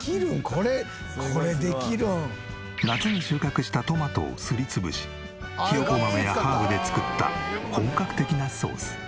これこれできるん？」夏に収穫したトマトをすり潰しひよこ豆やハーブで作った本格的なソース。